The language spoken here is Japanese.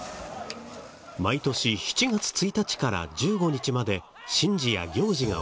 毎年７月１日から１５日まで神事や行事が行われます。